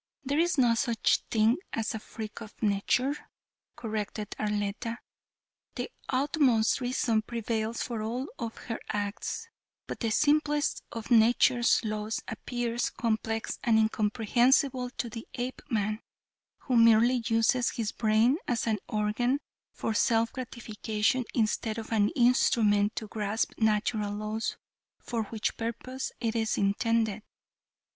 "There is no such thing as a freak of nature," corrected Arletta, "the utmost reason prevails for all of her acts; but the simplest of nature's laws appears complex and incomprehensible to the Apeman, who merely uses his brain as an organ for self gratification instead of an instrument to grasp natural laws for which purpose it is intended.